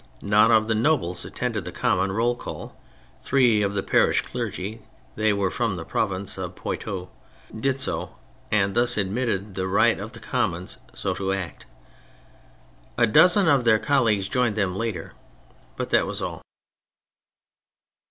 None of the nobles attended the common roll call, three of the parish clergy (they were from the province of Poitou) did so, and thus admitted the right of the Commons so to act. A dozen of their colleagues joined them later ; but that was all.